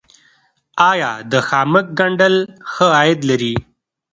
آیا د خامک ګنډل ښه عاید لري؟